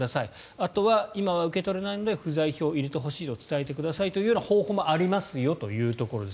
あとは今は受け取れないので不在票を入れておいてと伝えてくださいというような方法もありますよというところです。